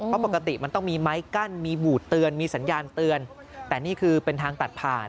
เพราะปกติมันต้องมีไม้กั้นมีบูดเตือนมีสัญญาณเตือนแต่นี่คือเป็นทางตัดผ่าน